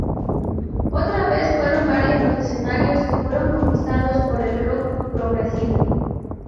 Otra vez fueron varios los escenarios que fueron conquistados por el rock progresivo.